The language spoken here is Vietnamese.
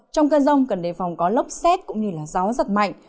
trong cơn rông cần đề phòng có lốc xét cũng như gió giật mạnh